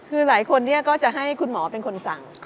คือหลายคนก็จะให้คุณหมอเป็นคนสั่ง